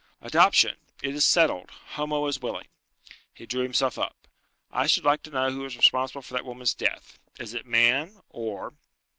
"Adoption! It is settled; Homo is willing." He drew himself up. "I should like to know who is responsible for that woman's death? Is it man? or...."